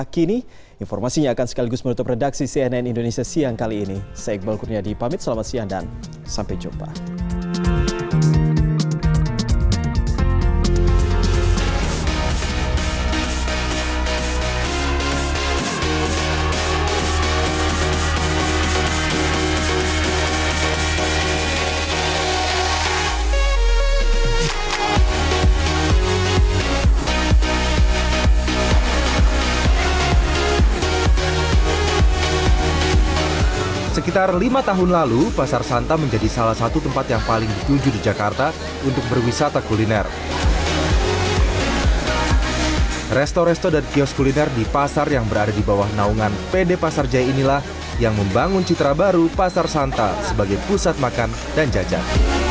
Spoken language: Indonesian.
kios kuliner di pasar yang berada di bawah naungan pd pasar jaya inilah yang membangun citra baru pasar santa sebagai pusat makan dan jajan